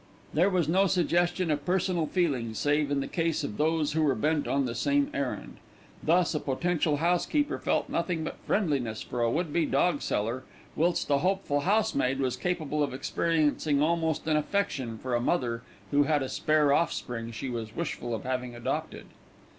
There was no suggestion of personal feeling save in the case of those who were bent on the same errand. Thus a potential housekeeper felt nothing but friendliness for a would be dog seller, whilst a hopeful housemaid was capable of experiencing almost an affection for a mother who had a spare offspring she was wishful of having adopted.